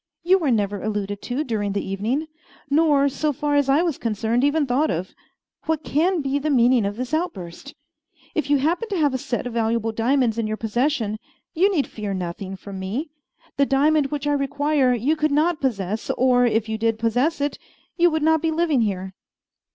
You were never alluded to during the evening, nor, so far as I was concerned, even thought of. What can be the meaning of this outburst? If you happen to have a set of valuable diamonds in your possession, you need fear nothing from me. The diamond which I require you could not possess; or, if you did possess it, you would not be living here."